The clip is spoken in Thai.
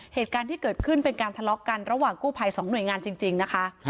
เหตุการณ์ที่เกิดขึ้นเป็นการทะเลาะกันระหว่างกู้ภัยสองหน่วยงานจริงนะคะ